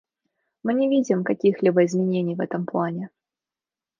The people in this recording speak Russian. И мы не видим каких-либо изменений в этом плане.